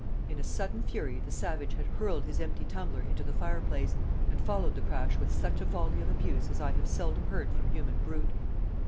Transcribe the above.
In a sudden fury the savage had hurled his empty tumbler into the fireplace, and followed the crash with such a volley of abuse as I have seldom heard from human brute.